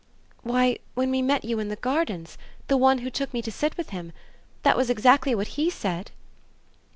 "Why when we met you in the Gardens the one who took me to sit with him. That was exactly what HE said."